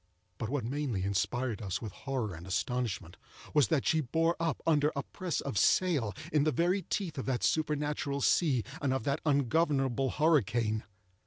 But what mainly inspired us with horror and astonishment, was that she bore up under a press of sail in the very teeth of that supernatural sea, and of that ungovernable hurricane.